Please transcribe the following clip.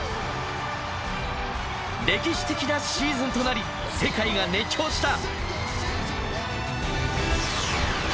歴史的なシーズンとなり世界が熱狂した！